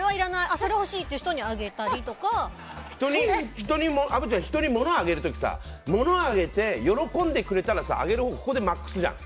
それは欲しいっていう人に虻ちゃん、人に物をあげる時物をあげて喜んでくれたらあげるほうもここでマックスじゃん。